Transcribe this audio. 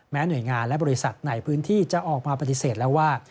หน่วยงานและบริษัทในพื้นที่จะออกมาปฏิเสธแล้วว่า